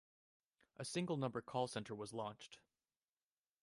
A single number call centre was launched.